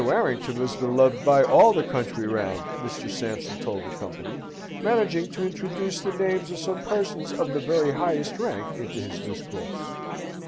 Warrington was beloved by all the country round, Mr. Sampson told the company, managing to introduce the names of some persons of the very highest rank into his discourse.